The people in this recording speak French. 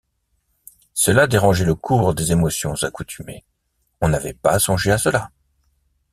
Cela dérangeait le cours des émotions accoutumées. « On n’avait pas songé à cela!